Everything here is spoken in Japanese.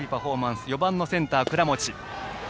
打席には４番のセンター、倉持。